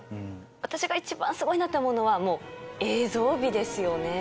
私が一番すごいなって思うのはもう映像美ですよね。